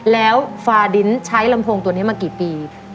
แล้วฟาดินใช้ลำโพงตัวนี้มากี่ปี